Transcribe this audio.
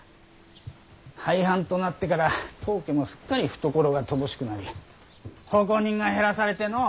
廃藩となってから当家もすっかり懐が乏しくなり奉公人が減らされてのう。